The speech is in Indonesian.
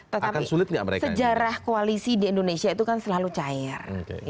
tetapi sejarah koalisi di indonesia itu kan selalu cair